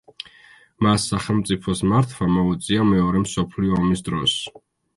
მას სახელმწიფოს მართვა მოუწია მეორე მსოფლიო ომის დროს.